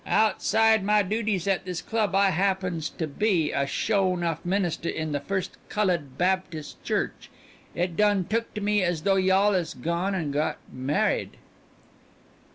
Outside mah duties at this club ah happens to be a sho nuff minister in the Firs' Cullud Baptis' Church. It done look to me as though y'all is gone an' got married."